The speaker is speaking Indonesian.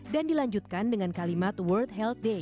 dan dilanjutkan dengan kalimat world health day